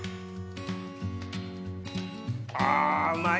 あうまい。